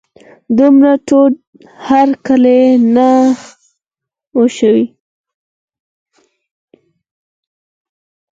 دومره تود هرکلی نه و شوی.